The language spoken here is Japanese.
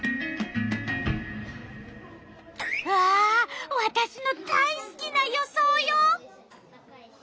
わあわたしの大すきな予想よ！